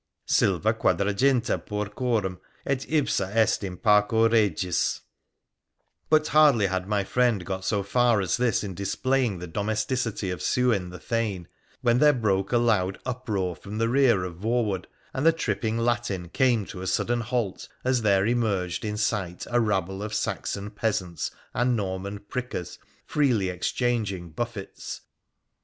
Silva 40 Porcorum et ipsa est in parco Begis ' But hardly had my friend got so far as this in displaying the domesticity of Sewin the thane, when there broke a loud uproar from the rear of Voewood, and the tripping Latin came to a sudden halt as there emerged in sight a rabble of Saxon peasants and Norman prickers freely exchanging buffets.